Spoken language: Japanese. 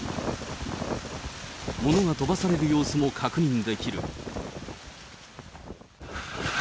物が飛ばされる様子も確認できる。